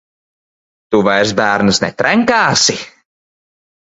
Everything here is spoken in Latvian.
Tu vairs bērnus netrenkāsi?